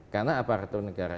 karena aparatur negara